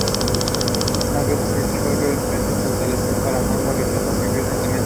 Una vez más el Cholo intenta forzarla pero Mary lo rechaza muy violentamente.